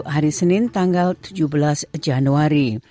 hari senin tanggal tujuh belas januari